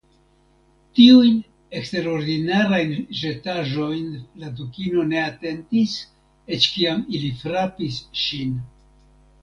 Tiujn eksterordinarajn ĵetaĵojn la Dukino ne atentis, eĉ kiam ili frapis ŝin.